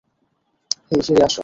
হেই, ফিরে এসো!